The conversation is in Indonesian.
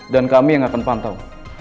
dan kami yang akan pantau